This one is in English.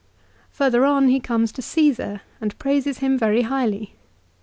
5 Further on he comes to Csesar, and praises him very highly.